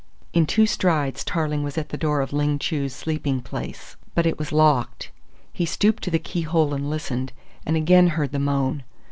In two strides Tarling was at the door of Ling Chu's sleeping place, but it was locked. He stooped to the key hole and listened, and again heard the moan.